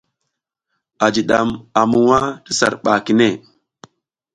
A jiɗam a muwa ti sar ɓa kine.